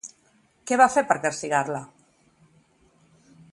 Què va fer per castigar-la?